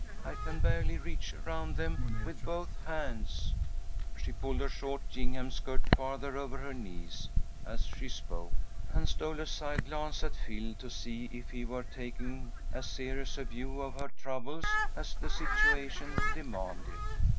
I can barely reach around them with both hands." She pulled her short gingham skirt farther over her knees as she spoke, and stole a side glance at Phil to see if he were taking as serious a view of her troubles as the situation demanded.